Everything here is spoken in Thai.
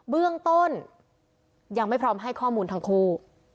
เบื้องต้นยังไม่พร้อมให้ข้อมูลทั้งคู่